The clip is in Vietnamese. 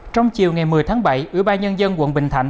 trong chiều ngày một mươi tháng bảy ủy ban nhân dân quận bình thạnh